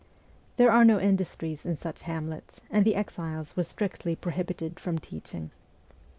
There are no industries in such hamlets, and the exiles were strictly prohibited from teaching.